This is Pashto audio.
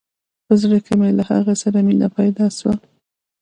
په زړه کښې مې له هغه سره مينه پيدا سوه.